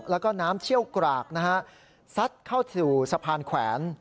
แล้วก็น้ำเชี่ยวกรากนะฮะซัดเข้าสู่สะพานแขวน